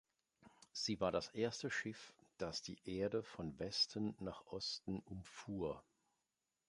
Sie war das erste Schiff, das die Erde von Westen nach Osten umfuhr.